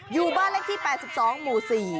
อยู่บ้านเลขที่๘๒หมู่๔